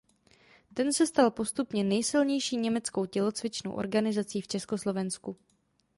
Ten se stal postupně nejsilnější německou tělocvičnou organizací v Československu.